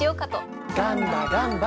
ガンバガンバ！